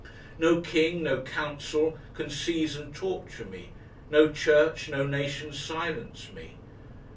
No King, no council, can seize and torture me; no Church, no nation silence me.